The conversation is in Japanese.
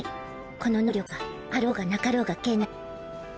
この能力があろうがなかろうが関係ない。